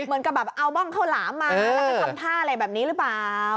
เหมือนกับแบบเอาบ้องข้าวหลามมาแล้วก็ทำท่าอะไรแบบนี้หรือเปล่า